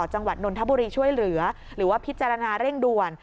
จังหวัดนนทบุรีช่วยเหลือหรือว่าพิจารณาเร่งด่วน